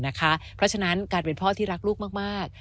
เพราะฉะนั้นการเป็นพ่อที่รักลูกมาก